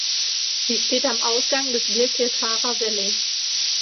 Sie steht am Ausgang des Birkirkara Valley.